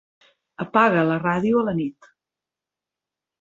Apaga la ràdio a la nit.